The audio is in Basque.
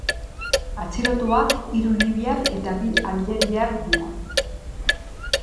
Atxilotuak hiru libiar eta bi algeriar dira.